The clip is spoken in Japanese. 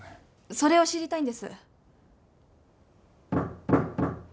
それを知りたいんです。